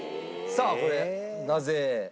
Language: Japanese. さあこれなぜ？